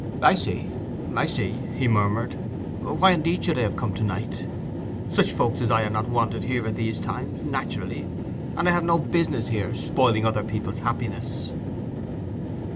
'I see—I see,' he murmured. 'Why, indeed, should I have come to night? Such folk as I are not wanted here at these times, naturally. And I have no business here—spoiling other people's happiness.